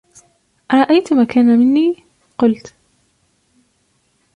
أَرَأَيْت مَا كَانَ مِنِّي ؟ قُلْت